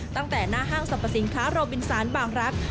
ตั้งแต่หน้าห้างสรรพสินค้าโรบินสารบางรักษ์